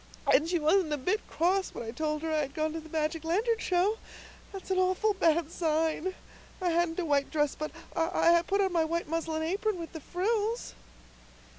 And she wasn't a bit cross when I told her I had gone to the magic lantern show. That's an awful bad sign. I hadn't a white dress, but I put on my white muslin apron with the frills."